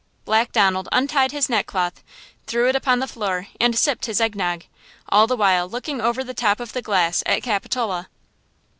Black Donald untied his neck cloth, threw it upon the floor and sipped his egg nog, all the while looking over the top of the glass at Capitola.